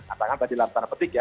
katakan pada di lantaran petik ya